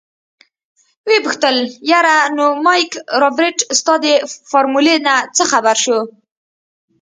ويې پوښتل يره نو مايک رابرټ ستا د فارمولې نه څه خبر شو.